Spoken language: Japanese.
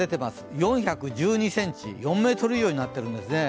４１２ｃｍ、４ｍ以上になってるんですね。